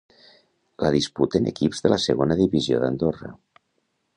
La disputen equips de la Segona divisió d'Andorra.